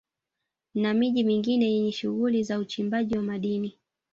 Na miji mingine yenye shughuli za uchimbaji wa madini